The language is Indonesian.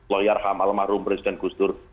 woyarham almarhum presiden gusdur